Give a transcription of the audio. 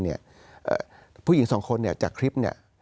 พวกผู้หญิงสองคนจากคลิป